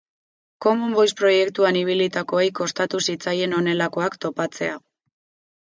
Common Voice proiektuan ibilitakoei kostatu zitzaien honelakoak topatzea.